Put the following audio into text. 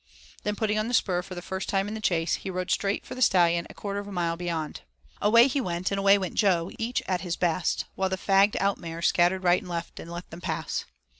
Then putting on the spur the first time in that chase he rode straight for the Stallion a quarter of a mile beyond. Away he went, and away went Jo, each at his best, while the fagged out mares scattered right and left and let them pass.